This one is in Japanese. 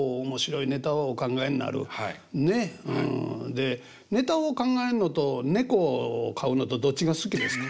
でネタを考えるのと猫を飼うのとどっちが好きですか？